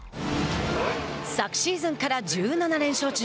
昨シーズンから１７連勝中